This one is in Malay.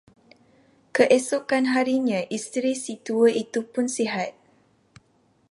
Keesokan harinya isteri si tua itupun sihat.